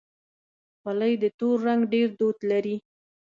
خولۍ د تور رنګ ډېر دود لري.